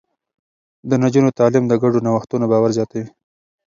د نجونو تعليم د ګډو نوښتونو باور زياتوي.